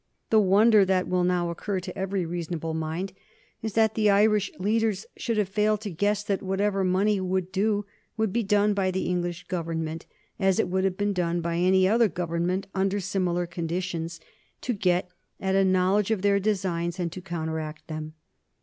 The wonder that will now occur to every reasonable mind is that the Irish leaders should have failed to guess that whatever money would do would be done by the English Government, as it would have been done by any other Government under similar conditions, to get at a knowledge of their designs and to counteract them.